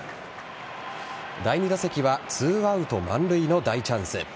第２打席は２アウト満塁の大チャンス。